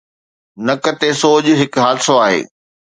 نڪ تي سوڄ هڪ حادثو آهي